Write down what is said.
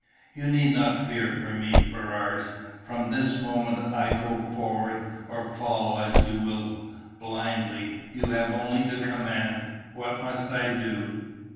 "You need not fear for me, Ferrars. From this moment I go forward, or follow, as you will, blindly; you have only to command. What must I do?"